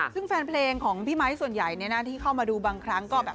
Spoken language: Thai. ซึ่งแฟนเพลงของพี่ไมค์ส่วนใหญ่ที่เข้ามาดูบางครั้งก็แบบ